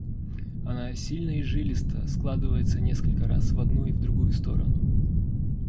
Она сильно и жилисто складывается несколько раз в одну и в другую сторону.